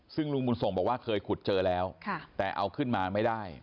ซึ่งลุงบุญส่งบอกว่าเคยขุดเจอแล้วแต่เอาขึ้นมาไม่ได้